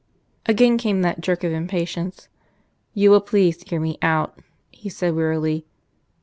Again came that jerk of impatience. "You will please to hear me out," he said wearily.